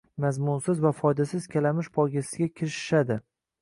mazmunsiz va foydasiz kalamush poygasiga kirishishadi